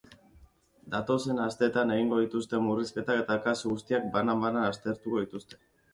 Datozen asteetan egingo dituzte murrizketak eta kasu guztiak banan-banan aztertuko dituzte.